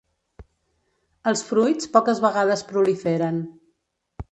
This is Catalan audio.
Els fruits poques vegades proliferen.